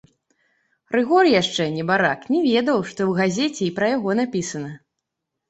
Рыгор яшчэ, небарак, не ведаў, што ў газеце і пра яго напісана.